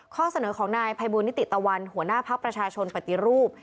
ข้อเสนอของนายภัยบูลนิติตะวันหัวหน้าภักดิ์ประชาชนปฏิรูป